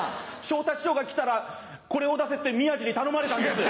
昇太師匠が来たらこれを出せって宮治に頼まれたんです。